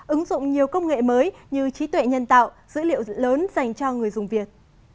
ứng dụng nhiều công nghệ mới như trí tuệ nhân tạo dữ liệu lớn dành cho người dùng việt